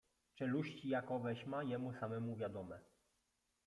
Czeluści jakoweś ma, jemu samemu wiadome.